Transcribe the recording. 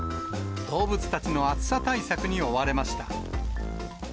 動物たちの暑さ対策に追われました。